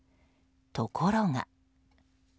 ところが。